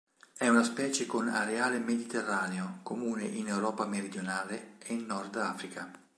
È una specie con areale mediterraneo, comune in Europa meridionale ed in Nord Africa.